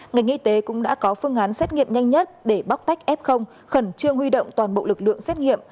ngành y tế cũng đã có phương án xét nghiệm nhanh nhất để bóc tách f khẩn trương huy động toàn bộ lực lượng xét nghiệm